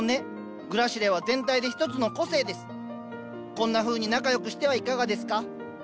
こんなふうに仲良くしてはいかがですか？